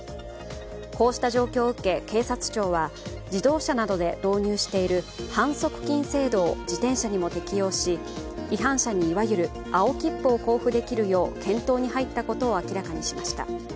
こうした状況を受け警察庁は、自動車などで導入している反則金制度を自転車にも適用し、違反者にいわゆる青切符を交付できるよう検討に入ったことを明らかにしました。